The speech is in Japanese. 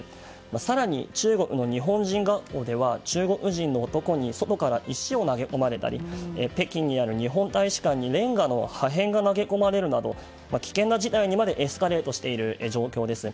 更に、中国の日本人学校では中国人の男に外から石を投げ込まれたり北京にある日本大使館にれんがの破片が投げ込まれるなど危険な事態にまでエスカレートしている状態です。